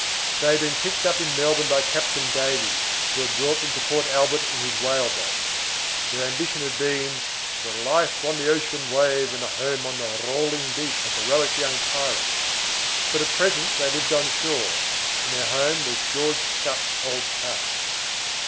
They had been picked up in Melbourne by Captain Davy, who had brought them to Port Albert in his whaleboat. Their ambition had been for "a life on the ocean wave, and a home on the rolling deep," as heroic young pirates; but at present they lived on shore, and their home was George Scutt's old cart.